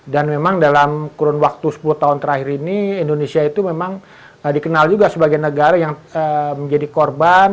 dan memang dalam kurun waktu sepuluh tahun terakhir ini indonesia itu memang dikenal juga sebagai negara yang menjadi korban